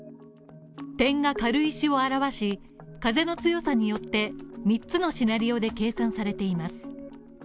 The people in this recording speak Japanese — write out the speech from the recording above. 点が軽石を表し、風の強さによって三つのシナリオで計算されています。